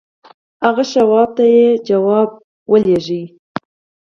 هغه شواب ته يې ځواب ولېږه.